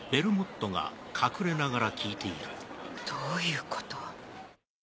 どういうこと？